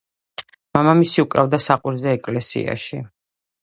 მამამისი უკრავდა საყვირზე ეკლესიაში.